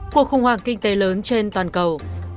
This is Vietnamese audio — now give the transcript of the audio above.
cuộc khùng hoàng kinh tấy lớn trên toàn cầu